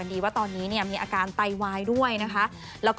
ส่งมาให้โอโนเฟอร์เรเวอร์